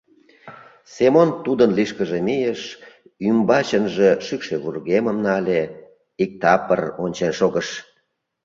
— Семон Тудын лишкыже мийыш, ӱмбачынже шӱкшӧ вургемым нале, иктапыр ончен шогыш.